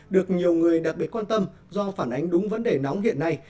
được nhiều người đặc biệt quan tâm do phản ánh đúng vấn đề nóng hiện nay